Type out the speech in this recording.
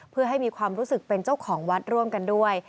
เพื่อให้มีความรู้สึกเป็นเจ้าของวัดร่วมกันด้วย